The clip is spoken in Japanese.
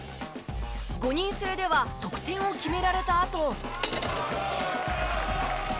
５人制では得点を決められたあと。